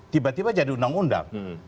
tiba tiba jadi undang undang